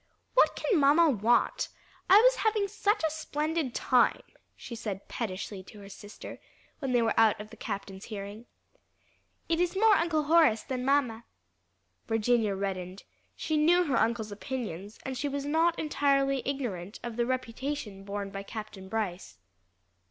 "What can mamma want? I was having such a splendid time," she said pettishly to her sister, when they were out of the captain's hearing. "It is more Uncle Horace than mamma." Virginia reddened. She knew her uncle's opinions, and she was not entirely ignorant of the reputation borne by Captain Brice.